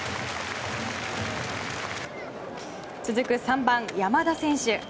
続く３番、山田選手。